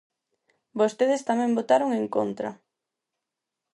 Vostedes tamén votaron en contra.